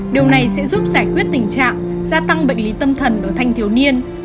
điều này sẽ giúp giải quyết tình trạng gia tăng bệnh lý tâm thần đối thanh thiếu niên